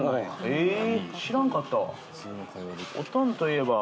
え知らんかったわ。